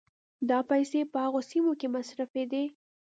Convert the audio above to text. دا پيسې به په هغو سيمو کې مصرفېدې